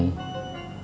itu harus diingat min